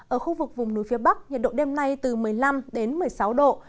ở khu vực vùng núi phía bắc nhiệt độ đêm nay từ một mươi năm đến một mươi sáu độ